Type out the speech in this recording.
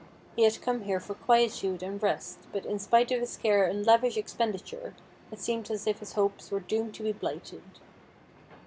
He had come here for quietude and rest, but in spite of his care and lavish expenditure it seemed as if his hopes were doomed to be blighted.